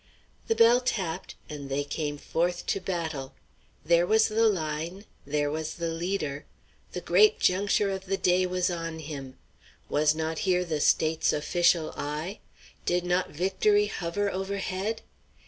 The bell tapped, and they came forth to battle. There was the line, there was the leader. The great juncture of the day was on him. Was not here the State's official eye? Did not victory hover overhead?